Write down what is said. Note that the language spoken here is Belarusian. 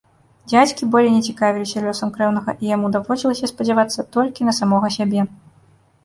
Дзядзькі болей не цікавіліся лёсам крэўнага, і яму даводзілася спадзявацца толькі на самога сябе.